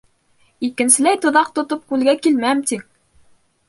— Икенселәй тоҙаҡ тотоп күлгә килмәм, тиң!..